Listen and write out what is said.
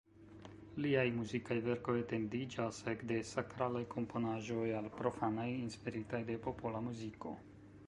Liaj muzikaj verkoj etendiĝas ekde sakralaj komponaĵoj al profanaj inspiritaj de popola muziko.